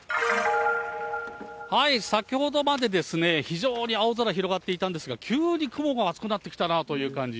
先ほどまで、非常に青空、広がっていたんですが、急に雲が厚くなってきたなという感じ。